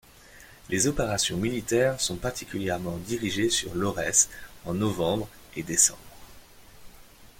Les opérations militaires sont particulièrement dirigées sur l'Aurès en novembre et décembre.